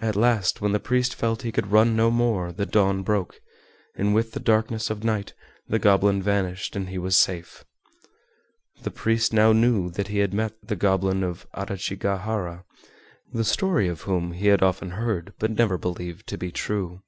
At last, when the priest felt he could run no more, the dawn broke, and with the darkness of night the goblin vanished and he was safe. The priest now knew that he had met the Goblin of Adachigahara, the story of whom he had often heard but never believed to be true.